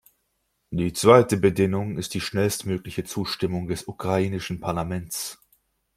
Die zweite Bedingung ist die schnellstmögliche Zustimmung des ukrainischen Parlaments.